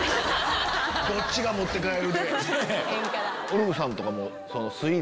どっちが持って帰るかで。